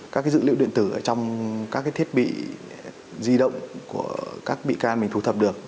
các dữ liệu điện tử ở trong các thiết bị di động của các bị can mình thu thập được